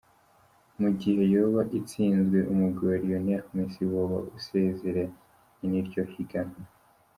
Mu gihe yoba itsinzwe, umugwi wa Lionel Messi woba usezeranye n'iryo higanwa.